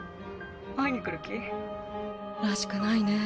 会いに来る気？らしくないね。